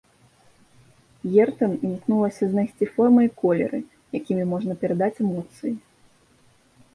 Ертэн імкнулася знайсці формы і колеры, якімі можна перадаць эмоцыі.